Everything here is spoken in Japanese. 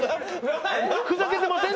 ふざけてません？